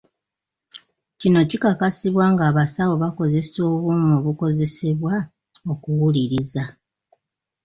Kino kikakasibwa ng'abasawo bakozesa obuuma obukozesebwa okuwuliriza